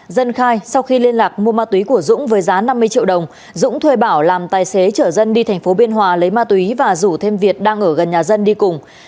dân khai sau khi liên lạc mua ma túy của dũng với giá năm mươi triệu đồng dũng thuê bảo làm tài xế trở dân đi thành phố biên hòa lấy ma túy và rủ thêm việt đang ở gần nhà dân đi cùng